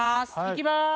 いきまーす。